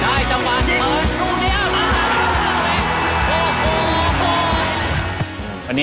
ได้จังหวะเหมือนตอนนี้